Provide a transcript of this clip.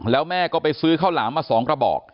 แล้วแม่ก็ไปซื้อข้าวหลามมา๒กระบอก